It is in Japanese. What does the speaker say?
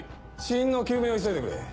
死因の究明を急いでくれ。